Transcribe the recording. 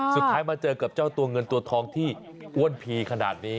สุดท้ายมาเจอกับเจ้าเงินตัวท้องที่อ้วนผีขนาดนี้